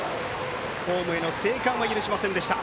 ホームへの生還は許しませんでした。